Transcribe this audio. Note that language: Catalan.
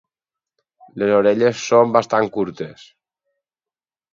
Les orelles són bastant curtes.